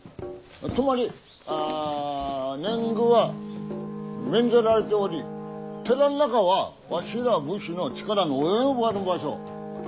つまりあ年貢は免ぜられており寺の中はわしら武士の力の及ばぬ場所。